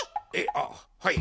あっはい。